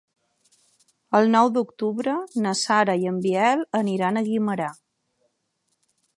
El nou d'octubre na Sara i en Biel aniran a Guimerà.